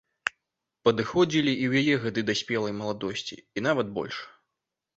Падыходзілі і ў яе гады да спелай маладосці, і нават больш.